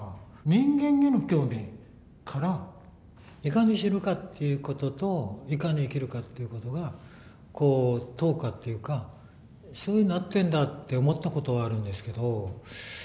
人間への興味からいかに死ぬかっていうことといかに生きるかっていうことが等価っていうかそういうふうになってんだって思ったことはあるんですけど。